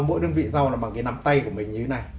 mỗi đơn vị rau là bằng cái nắm tay của mình như thế này